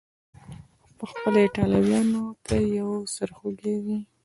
پخپله ایټالویانو ته یو سر خوږی و.